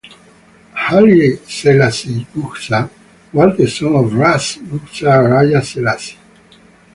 Haile Selassie Gugsa was the son of "Ras" Gugsa Araya Selassie.